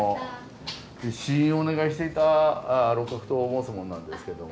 試飲をお願いしていた六角と申す者なんですけども。